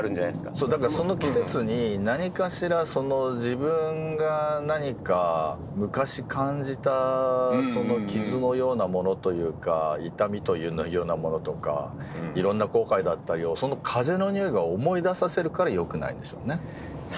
だからその季節に何かしら自分が何か昔感じた傷のようなものというか痛みというようなものとかいろんな後悔だったりを風のにおいが思い出させるからよくないんでしょうね。